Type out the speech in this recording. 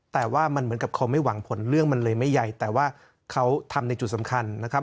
แต่ว่ามันเหมือนกับเขาไม่หวังผลเรื่องมันเลยไม่ใหญ่แต่ว่าเขาทำในจุดสำคัญนะครับ